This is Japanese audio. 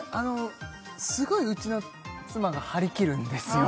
すごいうちの妻が張り切るんですよ